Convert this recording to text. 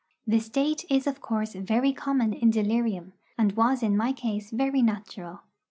The state is of course very common in delirium, and was in my case very natural.